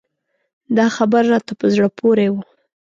دا خبر راته په زړه پورې و.